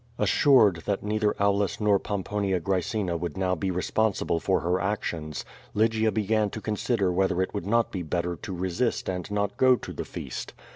Assured that neither Aulus nor Pomponia Graecina would now be responsible for her actions, Lygia began to consider whether it would not be better to resist and not go to the feast.